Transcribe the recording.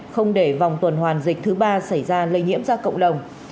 không để vòng tuần hoàn dịch thứ ba xảy ra lây nhiễm ra cộng đồng